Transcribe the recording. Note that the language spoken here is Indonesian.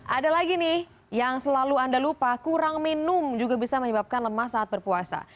ada lagi nih yang selalu anda lupa kurang minum juga bisa menyebabkan lemas saat berpuasa